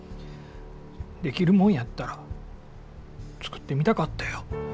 できるもんやったら作ってみたかったよ。